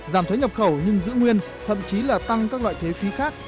giảm thuế nhập khẩu nhưng giữ nguyên thậm chí là tăng các loại thuế phí khác